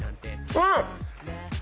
うん。